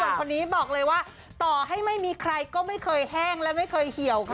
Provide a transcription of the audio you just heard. ส่วนคนนี้บอกเลยว่าต่อให้ไม่มีใครก็ไม่เคยแห้งและไม่เคยเหี่ยวค่ะ